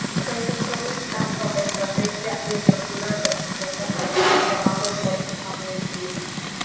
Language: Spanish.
Presentó un plan sobre estrategia y estructura de las Fuerzas Armadas llamada Bottom-Up Review.